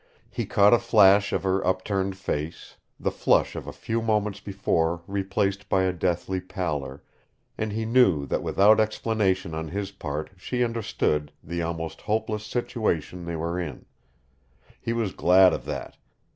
He caught a flash of her upturned face, the flush of a few moments before replaced by a deathly pallor, and he knew that without explanation on his part she understood the almost hopeless situation they were in. He was glad of that.